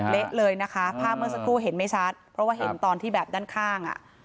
เละเลยนะคะภาพเมื่อสักครู่เห็นไม่ชัดเพราะว่าเห็นตอนที่แบบด้านข้างอ่ะ